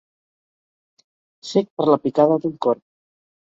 Cec per la picada d'un corb.